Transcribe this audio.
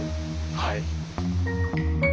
はい。